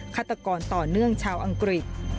ฆาตกรต่อเนื่องชาวอังกฤษ